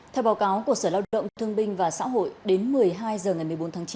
theo báo cáo của sở lao động thương binh và xã hội đến một mươi hai h ngày một mươi bốn tháng chín